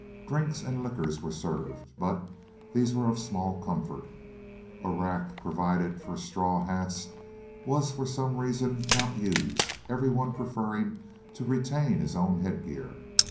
Drinks and liquors were served, but these were of small comfort. A rack provided for straw hats was for some reason not used, every one preferring to retain his own head gear.